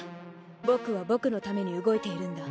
僕は僕のために動いているんだ。